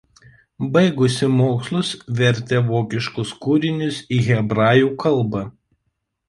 Baigusi mokslus vertė vokiškus kūrinius į hebrajų kalbą.